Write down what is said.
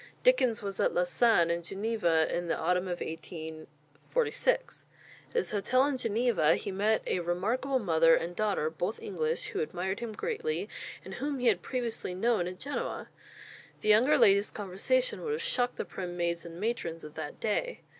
Dickens was at Lausanne and Geneva in the autumn of 1846. At his hotel in Geneva he met a remarkable mother and daughter, both English, who admired him greatly, and whom he had previously known at Genoa. The younger lady's conversation would have shocked the prim maids and matrons of that day.